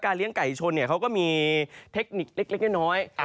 เลี้ยงไก่ชนเขาก็มีเทคนิคเล็กน้อย